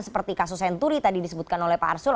seperti kasus senturi tadi disebutkan oleh pak arsul